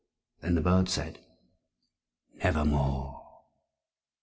Then the bird said, "Nevermore."